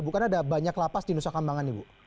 bukan ada banyak lapas di nusa kembangan bu